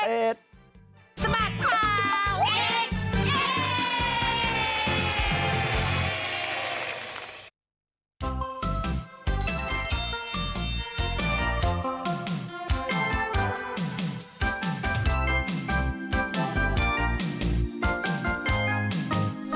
สะบัดข่าวเด็ก